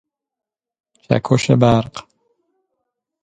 چکش برق